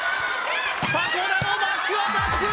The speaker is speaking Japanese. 迫田のバックアタック！